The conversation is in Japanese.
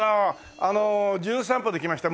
あの『じゅん散歩』で来ました